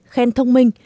khen thông minh